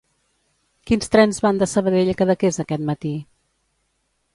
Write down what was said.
Quins trens van de Sabadell a Cadaqués aquest matí?